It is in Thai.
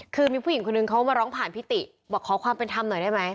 คือมีผู้หญิงคนนึงเขามาร้องผ่านพิติบอกขอความเป็นธรรมหน่อยได้ไหม